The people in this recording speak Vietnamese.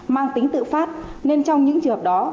mang tính tự phát nên trong những trường hợp đó